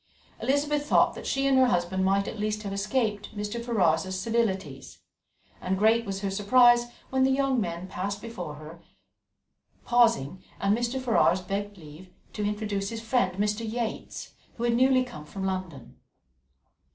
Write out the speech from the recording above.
Elizabeth thought that she and her husband might at least have escaped Mr. Ferrars's civilities; and great was her surprise when the young men paused before her, and Mr. Ferrars begged leave to introduce his friend Mr. Yates, who had newly come from London.